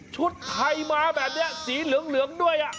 ชุดไทยมาแบบนี้สีเหลืองด้วย